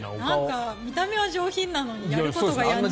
見た目は上品なのにやることがやんちゃ。